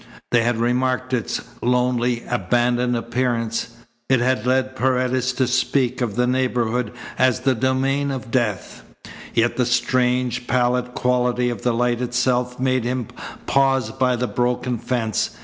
They had remarked its lonely, abandoned appearance. It had led Paredes to speak of the neighbourhood as the domain of death. Yet the strange, pallid quality of the light itself made him pause by the broken fence.